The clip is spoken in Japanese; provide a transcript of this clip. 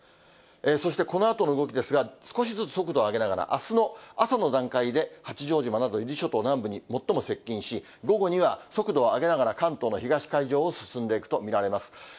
そしてこのあとの動きですが、少しずつ速度を上げながら、あすの朝の段階で、八丈島など伊豆諸島南部に最も接近し、午後には速度を上げながら関東の東海上を進んでいくと見られます。